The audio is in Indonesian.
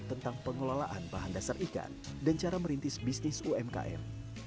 tentang pengelolaan bahan dasar ikan dan cara merintis bisnis umkm